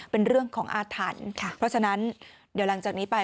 เป็นเรื่องของอาถรรพ์ค่ะเพราะฉะนั้นเดี๋ยวหลังจากนี้ไป